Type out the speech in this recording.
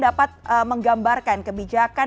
dapat menggambarkan kebijakan